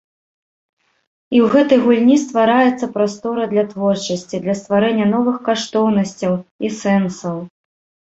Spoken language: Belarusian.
І ў гэтай гульні ствараецца прастора для творчасці, для стварэння новых каштоўнасцяў і сэнсаў.